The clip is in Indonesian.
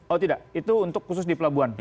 oh tidak itu untuk khusus di pelabuhan